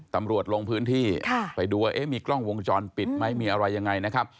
ตำรวจลงพื้นที่ไปดูว่ามีกล้องวงจรปิดไหมมีอะไรยังไงนะครับ